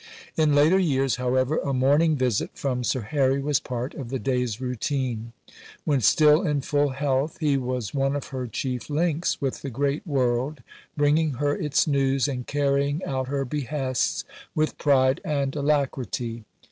In later years, however, a morning visit from Sir Harry was part of the day's routine. When still in full health, he was one of her chief links with the great world, bringing her its news and carrying out her behests with pride and alacrity.